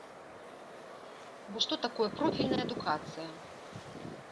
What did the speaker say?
Бо што такое профільная адукацыя?